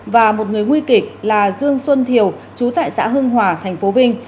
và một người nguy kịch là dương xuân thiều chú tại xã hưng hòa thành phố vinh